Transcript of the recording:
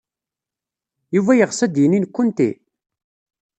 Yuba yeɣs ad d-yini nekkenti?